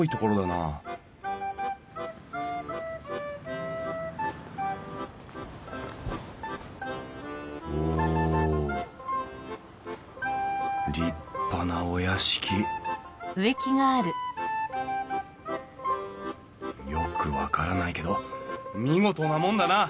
なおお立派なお屋敷よく分からないけど見事なもんだな！